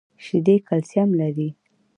شیدې کلسیم لري